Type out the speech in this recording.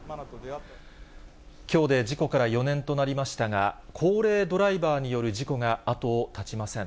きょうで事故から４年となりましたが、高齢ドライバーによる事故が後を絶ちません。